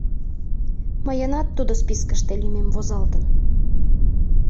Мыйынат тудо спискыште лӱмем возалтын.